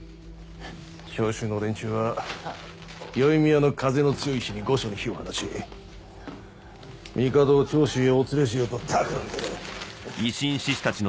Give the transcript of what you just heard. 長州の連中は宵宮の風の強い日に御所に火を放ち帝を長州へお連れしようとたくらんでいる。